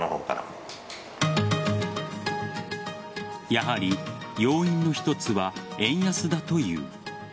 やはり要因の一つは円安だという。